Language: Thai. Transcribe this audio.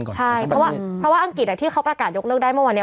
ใช่เพราะว่าอังกฤษที่เขาประกาศยกเลิกได้เมื่อวานนี้